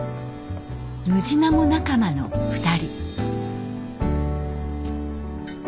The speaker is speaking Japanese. ムジナモ仲間の２人。